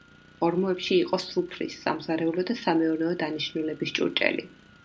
ორმოებში იყო სუფრის, სამზარეულო და სამეურნეო დანიშნულების ჭურჭელი.